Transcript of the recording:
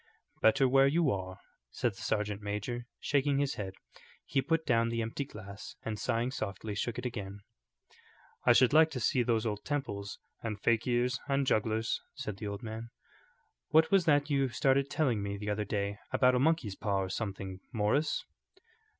"Better where you are," said the sergeant major, shaking his head. He put down the empty glass, and sighing softly, shook it again. "I should like to see those old temples and fakirs and jugglers," said the old man. "What was that you started telling me the other day about a monkey's paw or something, Morris?"